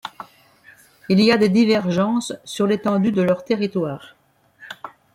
Il y a des divergences sur l'étendue de leur territoire.